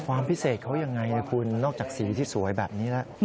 ความพิเศษเขายังไงคุณนอกจากสีที่สวยแบบนี้แล้ว